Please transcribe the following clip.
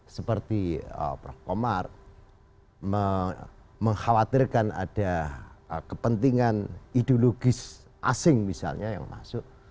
seperti prof komar mengkhawatirkan ada kepentingan ideologis asing misalnya yang masuk